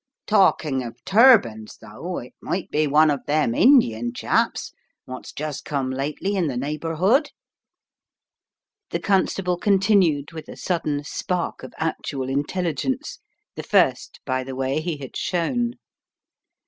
"Talking of turbans, though, it might be one of them Indian chaps wots just come lately in the neigh bourhood," the constable continued with a sudden spark of actual intelligence — the first, by the way, he had shown.